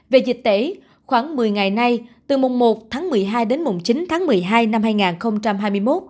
về dịch tễ khoảng một mươi ngày nay từ mùng một tháng một mươi hai đến mùng chín tháng một mươi hai năm hai nghìn hai mươi một